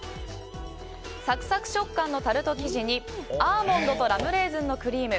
サクサク食感のタルト生地にアーモンドとラムレーズンのクリーム。